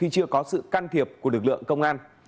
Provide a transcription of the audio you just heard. khi chưa có sự can thiệp của lực lượng công an